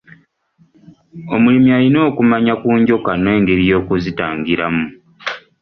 Omulimi alina okumanya ku njoka n'engeri y'okuzitangiramu.